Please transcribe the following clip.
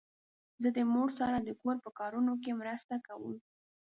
زه د مور سره د کور په کارونو کې مرسته کوم.